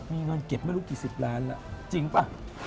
มีเงินเก็บไม่รู้กี่สิบล้านแล้วจริงป่ะ